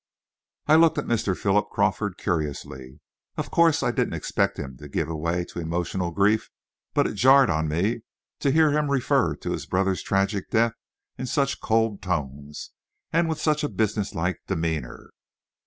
I looked at Mr. Philip Crawford curiously. Of course I didn't expect him to give way to emotional grief, but it jarred on me to hear him refer to his brother's tragic death in such cold tones, and with such a businesslike demeanor.